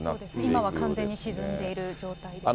今は完全に沈んでいる状態ですね。